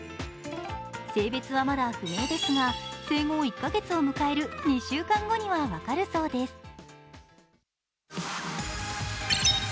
性別はまだ不明ですが生後１カ月を迎える２週間後には分かるそうです。